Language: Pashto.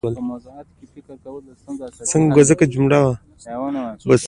بسونه د کرک صحرایي لارې ته تاو شول.